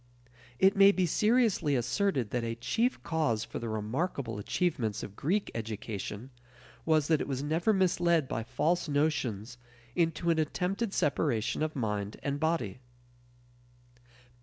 It may be seriously asserted that a chief cause for the remarkable achievements of Greek education was that it was never misled by false notions into an attempted separation of mind and body.